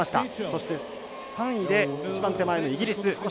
そして、３位で一番手前のイギリス。